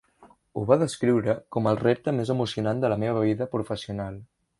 Ho va descriure com "el repte més emocionant de la meva vida professional".